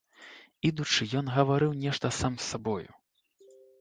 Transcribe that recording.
Ідучы ён гаварыў нешта сам з сабою.